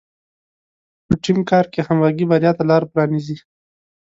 په ټیم کار کې همغږي بریا ته لاره پرانیزي.